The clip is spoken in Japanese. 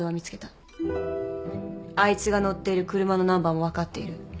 あいつが乗っている車のナンバーも分かっている。